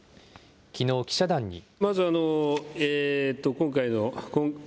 きのう、記者団に。